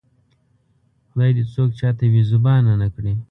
خدای دې څوک چاته بې زبانه نه کړي